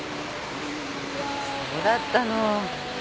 そうだったの。